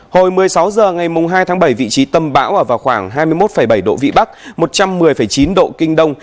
hồi một mươi sáu h ngày hai tháng bảy vị trí tâm bão ở vào khoảng hai mươi một bảy độ vĩ bắc một trăm một mươi chín độ kinh đông